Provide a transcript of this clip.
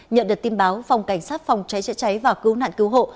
nhận được tin báo phòng cảnh sát phòng cháy chữa cháy và cứu nạn cứu hộ